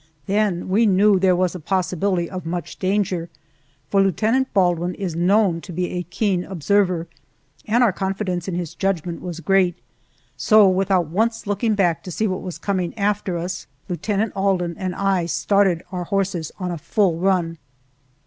Then we knew there was a possibility of much danger, for Lieutenant Baldwin is known to be a keen observer, and our confidence in his judgment was great, so, without once looking back to see what was coming after us, Lieutenant Alden and I started our horses on a full run.